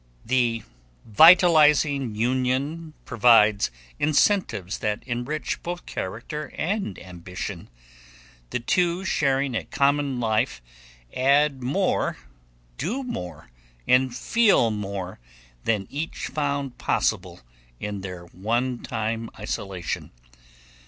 The vitalizing union provides incentives that enrich both character and ambition. The two sharing a common life add more, do more, and feel more than each found possible in their one time isolation.